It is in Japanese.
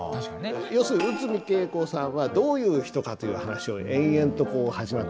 要するに内海桂子さんはどういう人かという話を延々とこう始まってる訳ですね。